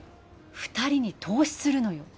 ２人に投資するのよ